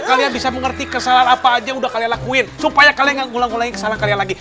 kalian bisa mengerti kesalahan apa aja udah kalian lakuin supaya kalian gak ngulang ngulangin kesalahan kalian lagi